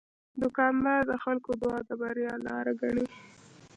دوکاندار د خلکو دعا د بریا لاره ګڼي.